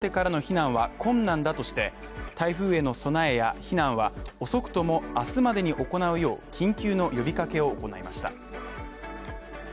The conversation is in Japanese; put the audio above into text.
気象庁は風が強くなってからの避難は困難だとして、台風への備えや避難は遅くとも明日までに行うよう、緊急の呼びかけを行いました。